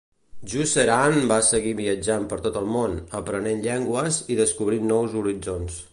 Jusserand va seguir viatjant per tot el món, aprenent llengües i descobrint nous horitzons.